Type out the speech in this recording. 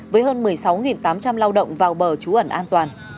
với hơn một mươi sáu tám trăm linh lao động vào bờ trú ẩn an toàn